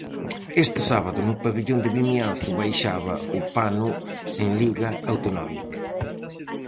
Este sábado no pavillón de Vimianzo baixaba o pano en liga autonómica.